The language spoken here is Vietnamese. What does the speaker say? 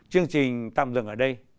chương trình tạm dừng ở đây